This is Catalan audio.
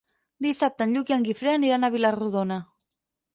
Dissabte en Lluc i en Guifré aniran a Vila-rodona.